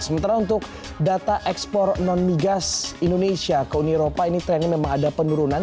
sementara untuk data ekspor non migas indonesia ke uni eropa ini trennya memang ada penurunan